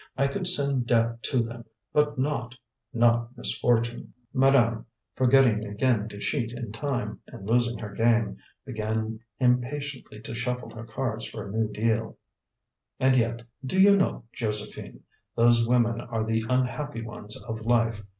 I could send death to them, but not not misfortune." Madame, forgetting again to cheat in time, and losing her game, began impatiently to shuffle her cards for a new deal. "And yet, do you know, Josephine, those women are the unhappy ones of life.